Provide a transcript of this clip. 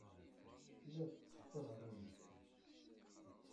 Tellid tettajjad arraw-nnek.